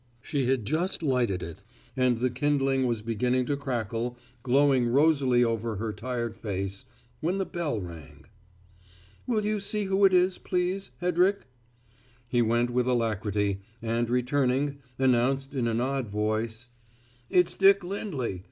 She had just lighted it, and the kindling was beginning to crackle, glowing rosily over her tired face, when the bell rang. "Will you see who it is, please, Hedrick?" He went with alacrity, and, returning, announced in an odd voice. "It's Dick Lindley.